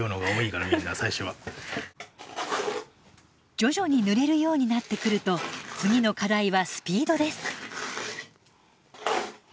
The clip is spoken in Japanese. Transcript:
徐々に塗れるようになってくると次の課題はスピードです。